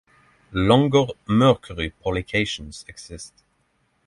Longer mercury polycations exist.